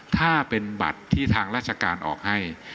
ถ้าเป็นบัตรที่ทางราชการออกให้